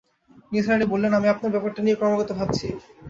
নিসার আলি বললেন, আমি আপনার ব্যাপারটা নিয়ে ক্রমাগত ভাবছি।